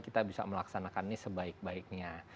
kita bisa melaksanakannya sebaik baiknya